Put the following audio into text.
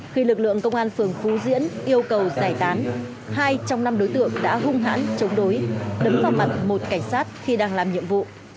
khi lực lượng công an phường phú diễn yêu cầu giải tán hai trong năm đối tượng đã hung hãn chống đối đấm vào mặt một cảnh sát khi đang làm nhiệm vụ